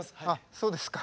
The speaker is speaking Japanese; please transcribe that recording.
そうですか。